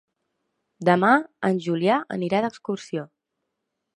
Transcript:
Demà en Julià anirà d'excursió.